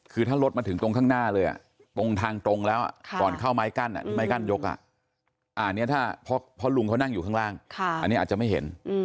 คือถ้ารถมาถึงตรงข้างหน้าเลยตรงทางตรงแล้วก่อนเข้าไม้กั้นที่ไม้กั้นยกอันนี้ถ้าพ่อลุงเขานั่งอยู่ข้างล่างอันนี้อาจจะไม่เห็น